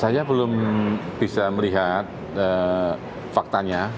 saya belum bisa melihat faktanya